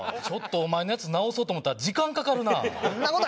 ちょっとお前のやつ直そうと思ったら時間かかるな。